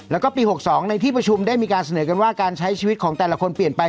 แล้วก็ปี๖๒ในที่ประชุมได้มีการเสนอกันว่าการใช้ชีวิตของแต่ละคนเปลี่ยนไป